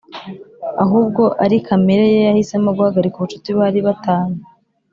Ahubwo ari kamere ye yahisemo guhagarika ubucuti bari ba tanye